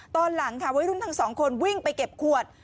ตอนหลังค่ะวัยรุ่นทั้งสองคนวิ่งไปเก็บขวด